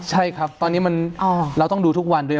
ใช่ครับตอนนี้เราต้องดูทุกวันด้วย